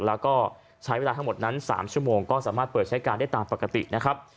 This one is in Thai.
แล้วก็ใช้เวลาทั้งหมดนั้น๓ชั่วโมงก็สามารถเปิดใช้การได้ตามปกตินะครับ